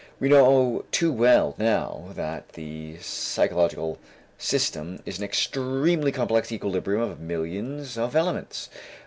We know too well now that the psychophysical system is an extremely complex equilibrium of millions of elements.